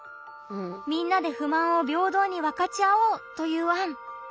みんなで不満を平等に分かち合おうという案。